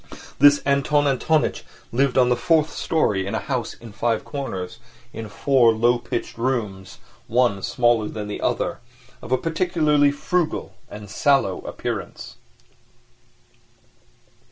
This Anton Antonitch lived on the fourth storey in a house in Five Corners, in four low pitched rooms, one smaller than the other, of a particularly frugal and sallow appearance.